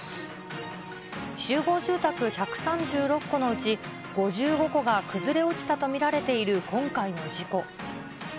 集合住宅１３６戸のうち、５５戸が崩れ落ちたと見られている今回の事故。